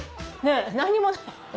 何にもない。